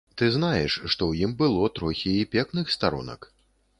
Ты знаеш, што ў ім было трохі і пекных старонак.